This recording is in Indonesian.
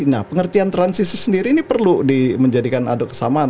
nah pengertian transisi sendiri ini perlu dimenjadikan adu kesamanya